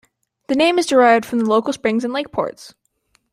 The name is derived from the local springs and lakeports.